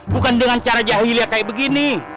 bukan dengan cara jahilir kayak begini